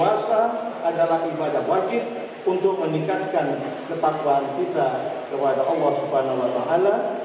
puasa adalah ibadah wajib untuk meningkatkan ketakwaan kita kepada allah swt